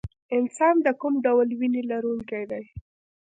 انسان د کوم ډول وینې لرونکی دی